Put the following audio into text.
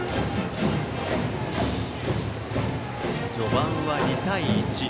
序盤は２対１。